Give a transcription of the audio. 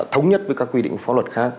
thống nhất với các quy định phó luật khác